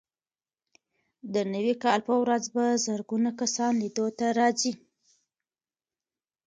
د نوي کال په ورځ په زرګونه کسان لیدو ته راځي.